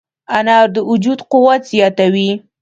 انار د وجود قوت زیاتوي.